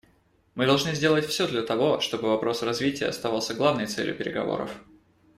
Мы должны сделать все для того, чтобы вопрос развития оставался главной целью переговоров.